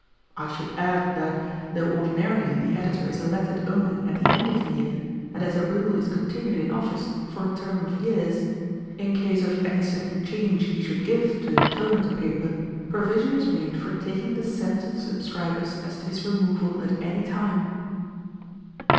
I should add that, though ordinarily the editor is elected only at the end of the year, and as a rule is continued in office for a term of years, in case of any sudden change he should give to the tone of the paper, provision is made for taking the sense of the subscribers as to his removal at any time."